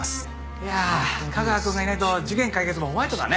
いやあ架川くんがいないと事件解決もホワイトだね。